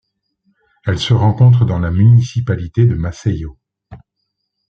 Elle se rencontre dans la municipalité de Maceió.